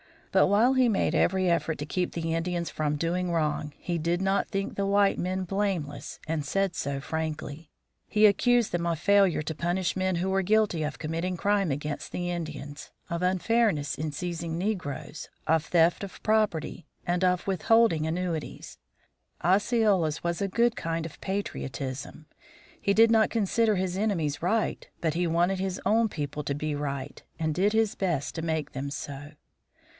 But while he made every effort to keep the Indians from doing wrong, he did not think the white men blameless and said so frankly. He accused them of failure to punish men who were guilty of committing crimes against the Indians, of unfairness in seizing negroes, of theft of property, and of withholding annuities. Osceola's was a good kind of patriotism he did not consider his enemies right, but he wanted his own people to be right, and did his best to make them so.